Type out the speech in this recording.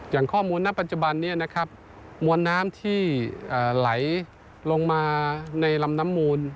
อย่างข้อมูลณปัจจุบันนี้นะครับมวลน้ำที่ไหลลงมาในลำน้ำมูล